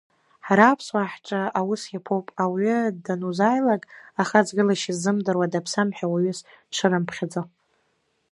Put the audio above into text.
Ҳара аԥсуаа ҳҿы ус иаԥуп, ауаҩы данузааилак ахаҵгылашьа ззымдыруа даԥсам ҳәа уаҩыс дшырымԥхьаӡо!